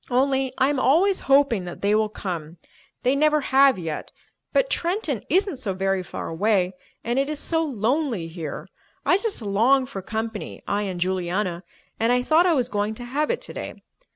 "Only I am always hoping that they will come. They never have yet, but Trenton isn't so very far away, and it is so lonely here. I just long for company—I and Juliana—and I thought I was going to have it today.